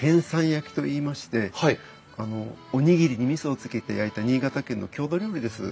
焼きといいましておにぎりにみそをつけて焼いた新潟県の郷土料理です。